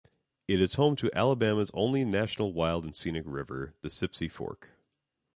It is home to Alabama's only National Wild and Scenic River, the Sipsey Fork.